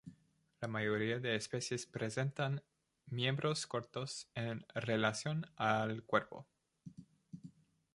La mayoría de especies presentan miembros cortos en relación al cuerpo.